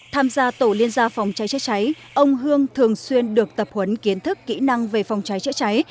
tham gia tổ liên gia phòng cháy chữa cháy ông hương thường xuyên được tập huấn kiến thức kỹ năng về phòng cháy chữa cháy